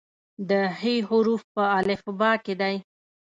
د "ح" حرف په الفبا کې دی.